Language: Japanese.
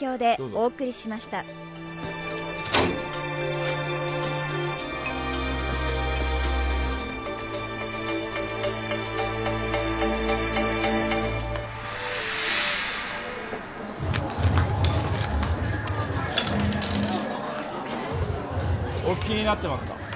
お聞きになってますか？